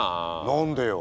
何でよ！